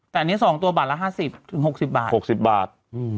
แต่อันนี้๒ตัวบาทละ๕๐๖๐บาท๖๐บาท